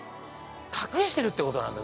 隠してるってことなんだ。